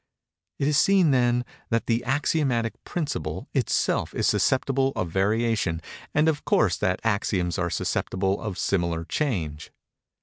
It is seen, then, that the axiomatic principle itself is susceptible of variation, and of course that axioms are susceptible of similar change.